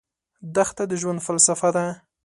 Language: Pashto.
دښته د ژوند فلسفه ده.